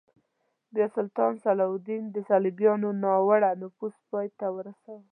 بیا سلطان صلاح الدین د صلیبیانو ناوړه نفوذ پای ته ورساوه.